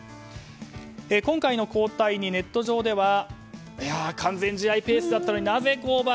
今回の交代にネット上では完全試合ペースだったのになぜ降板？